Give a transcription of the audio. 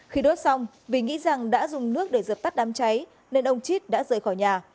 khi đốt xong vì nghĩ rằng đã dùng nước để dập tắt đám cháy nên ông chít đã rời khỏi nhà